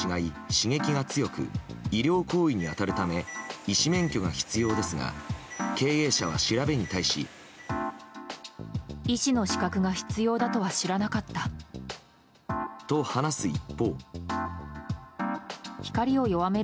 刺激が強く医療行為に当たるため医師免許が必要ですが経営者は調べに対し。と、話す一方。